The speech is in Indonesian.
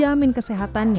atau kebijakan helpful